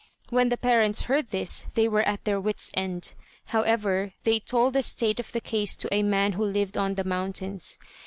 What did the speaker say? When the parents heard this, they were at their wits' end. However, they told the state of the case to a man who lived on the mountains.